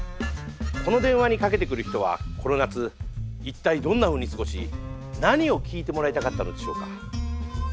この電話にかけてくる人はこの夏一体どんなふうに過ごし何を聞いてもらいたかったのでしょうか。